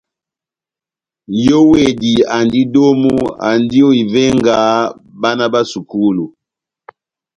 Nʼyówedi andi domu, andi ó ivenga bána bá sukulu.